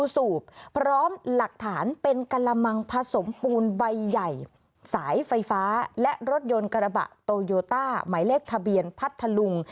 สายไฟฟ้าและรถยนต์กระบะโตโยต้าหมายเลขทะเบียนพัดทะลุง